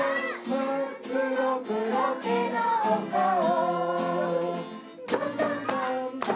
「まっくろくろけのおかお」